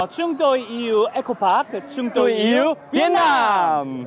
chúng tôi yêu ecobuck chúng tôi yêu việt nam